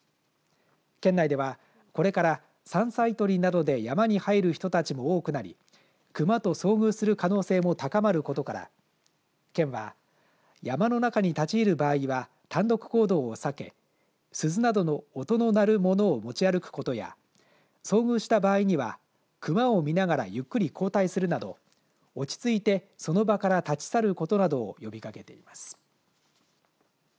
県内ではこれから山菜採りなどで山に入る人たちも多くなり熊と遭遇する可能性も高まることから県は山の中に立ち入る場合は単独行動を避け鈴などの音の鳴るものを持ち歩くことや遭遇した場合には熊を見ながらゆっくり後退するなど落ち着いてその場から立ち去ることなどを呼びかけています。